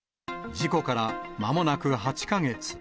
事故からまもなく８か月。